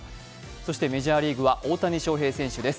そして、メジャーリーグは大谷翔平選手です。